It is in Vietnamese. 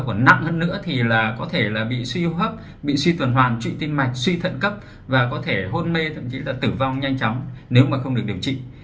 còn nặng hơn nữa thì là có thể là bị suy hô hấp bị suy tuần hoàn trụy tim mạch suy thận cấp và có thể hôn mê thậm chí là tử vong nhanh chóng nếu mà không được điều trị